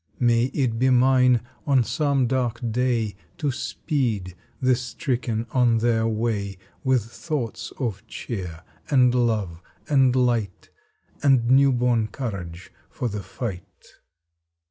May it be mine on some dark day To speed the stricken on their way With thoughts of cheer, and love, and light, And new born courage for the fight."